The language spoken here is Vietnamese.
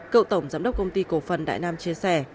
cựu tổng giám đốc công ty cổ phần đại nam chia sẻ